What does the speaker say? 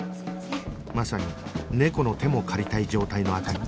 まさに猫の手も借りたい状態の灯